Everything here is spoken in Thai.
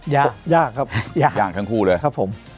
ยากยากครับยากยากทั้งคู่เลยครับผม